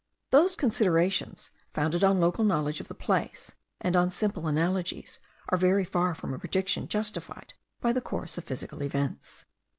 These considerations, founded on local knowledge of the place, and on simple analogies, are very far from a prediction justified by the course of physical events.